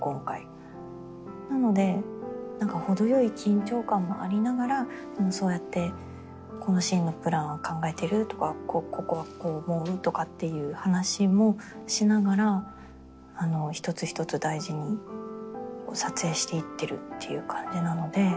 なので程よい緊張感もありながらそうやってこのシーンのプランを考えてるとかここはこう思うとかっていう話もしながら一つ一つ大事に撮影していってるっていう感じなので。